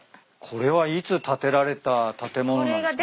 これはいつ建てられた建物なんですか？